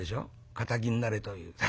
堅気になれという。